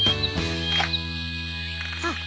あっ。